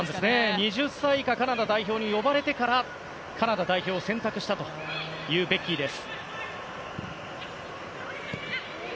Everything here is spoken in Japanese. ２０歳以下カナダ代表に呼ばれてからカナダ代表を選択したというベッキーです。